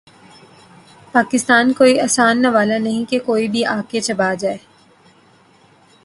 پاکستان کوئی آسان نوالہ نہیں کہ کوئی بھی آ کے چبا جائے۔